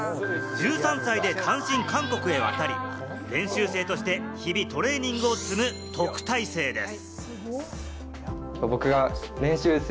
１３歳で単身韓国へ渡り、練習生として日々トレーニングを積む特待生です。